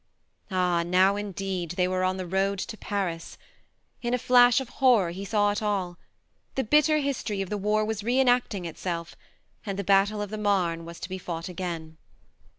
..." Ah, now indeed they were on the road to Paris ! In a flash of horror he saw it all. The bitter history of the war was re enacting itself, and the 90 THE MARNE battle of the Marne was to be fought again.